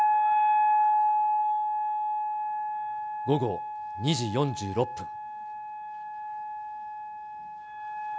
午後２時４６分。